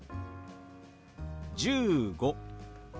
「１５」。